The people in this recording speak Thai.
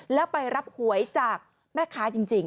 แล้วไปรับหวยจากแม่ค้าจริง